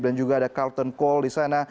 dan juga ada carlton cole di sana